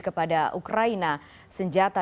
kepada ukraina senjata